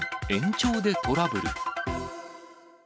延長でトラブル。